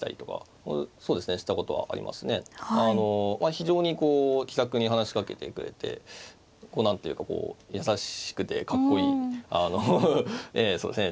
非常にこう気さくに話しかけてくれて何ていうかこう優しくてかっこいいそうですね